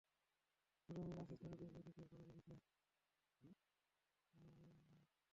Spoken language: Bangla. তোর রোমিও মেসেজ করে তোকে লেকের পাড়ে ডেকেছে!